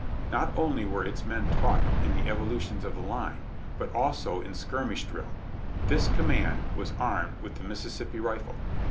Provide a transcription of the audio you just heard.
Not only were its men taught in the evolutions of the line, but also in skirmish drill. This command was armed with the Mississippi rifle.